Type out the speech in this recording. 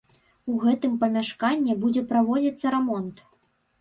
У гэтым памяшканні будзе праводзіцца рамонт.